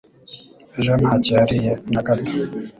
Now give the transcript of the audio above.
Ejo ntacyo yariye nagato